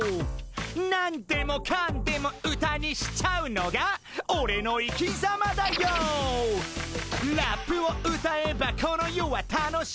「何でもかんでも歌にしちゃうのがオレの生きざまダＹＯ」「ラップを歌えばこの世は楽し」